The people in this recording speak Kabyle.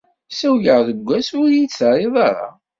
Ssawleɣ deg wass, ur iyi-d-terriḍ ara.